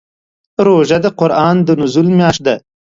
روژه د قران د نزول میاشت ده.